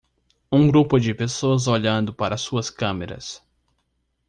um grupo de pessoas olhando para suas câmeras